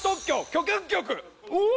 うわ！